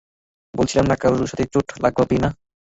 বলেছিলাম না কারো চোট লাগবে না।